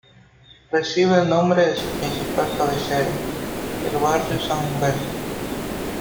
Recibe el nombre de su principal cabecera, el barrio San Humberto.